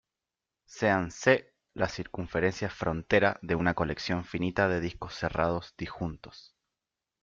Sean "C" las circunferencias frontera de una colección finita de discos cerrados disjuntos.